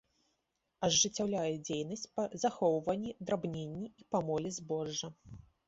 Ажыццяўляе дзейнасць па захоўванні, драбненні і памоле збожжа.